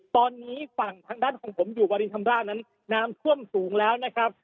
ตอนนี้ฝั่งทางด้านของผมอยู่วารินชำรานั้นน้ำท่วมสูงแล้วนะครับ